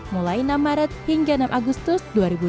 mulai enam maret hingga enam agustus dua ribu dua puluh